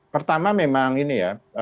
pertama memang ini ya